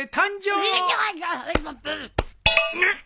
なっ！